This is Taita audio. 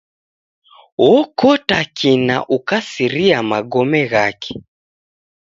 Okota kina ukasiria magome ghake.